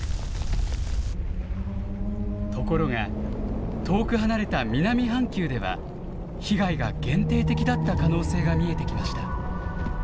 ところが遠く離れた南半球では被害が限定的だった可能性が見えてきました。